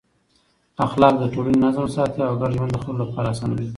اخلاق د ټولنې نظم ساتي او ګډ ژوند د خلکو لپاره اسانوي.